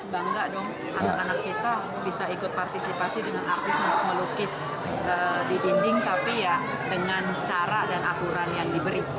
bangga dong anak anak kita bisa ikut partisipasi dengan artis untuk melukis di dinding tapi ya dengan cara dan aturan yang diberi